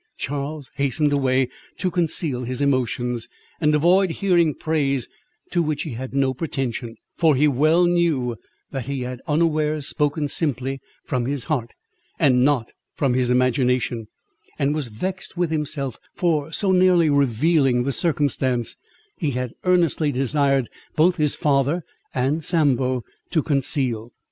Charles hastened away to conceal his emotions, and avoid hearing praise to which he had no pretension; for he well knew that he had unawares spoken simply from his heart, and not from his imagination; and was vexed with himself, for so nearly revealing the circumstance he had earnestly desired both his father and Sambo to conceal.